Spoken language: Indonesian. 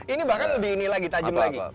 ini bahkan lebih ini lagi tajam lagi